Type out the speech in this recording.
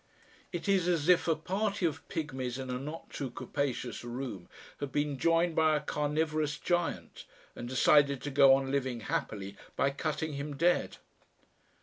It is as if a party of pigmies in a not too capacious room had been joined by a carnivorous giant and decided to go on living happily by cutting him dead....